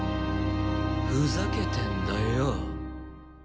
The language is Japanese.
ふざけてんだよ。